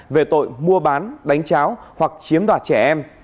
về tội mua bán đánh cháo hoặc chiếm đoạt trẻ em